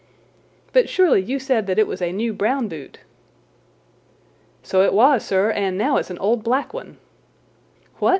"But, surely, you said that it was a new brown boot?" "So it was, sir. And now it's an old black one." "What!